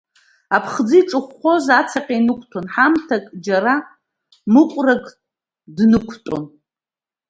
Аԥхӡы иҿыхәхәоз ацаҟь инықәҭәон, ҳамҭак, џьара мыҟәрак днықәтәон.